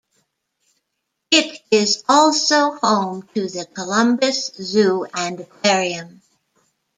It is also home to the Columbus Zoo and Aquarium.